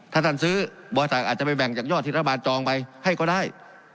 ถ้าท่านซื้อบริษัทอาจจะไปแบ่งจากยอดที่รัฐบาลจองไปให้ก็ได้